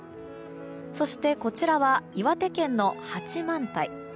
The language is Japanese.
そしてこちらは岩手県の八幡平。